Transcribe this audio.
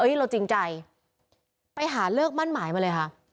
เราจริงใจไปหาเลิกมั่นหมายมาเลยค่ะ